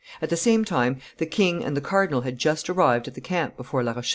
At the same time the king and the cardinal had just arrived at the camp before La Rochelle.